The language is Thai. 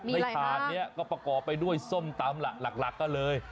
ถาดนี้ก็ประกอบไปด้วยส้มตำหลักก็เลย